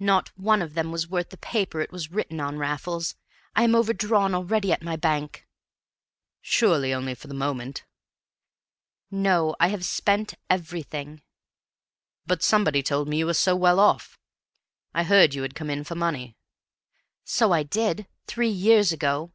"Not one of them was worth the paper it was written on, Raffles. I am overdrawn already at my bank!" "Surely only for the moment?" "No. I have spent everything." "But somebody told me you were so well off. I heard you had come in for money?" "So I did. Three years ago.